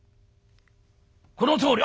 このとおり」。